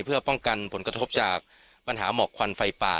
เพื่อป้องกันผลกระทบจากปัญหาหมอกควันไฟป่า